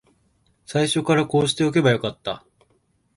最初からこうしておけばよかった